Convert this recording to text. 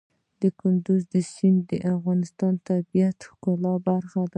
کندز سیند د افغانستان د طبیعت د ښکلا برخه ده.